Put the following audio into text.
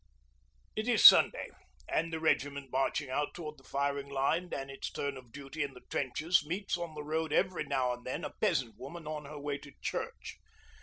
It is Sunday, and the regiment marching out towards the firing line and its turn of duty in the trenches meets on the road every now and then a peasant woman on her way to church.